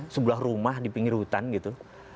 sebuah rumah di pinggir hutan gitu